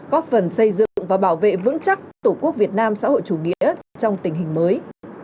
góp phần xây dựng và bảo vệ vững chắc tổ quốc việt nam xã hội chủ nghĩa trong tình hình mới